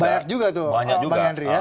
banyak juga tuh bang yandri ya